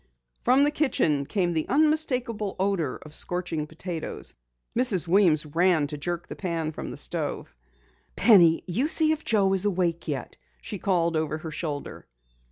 From the kitchen came the unmistakable odor of scorching potatoes. Mrs. Weems ran to jerk the pan from the stove. "Penny, you see if Joe is awake yet," she called over her shoulder.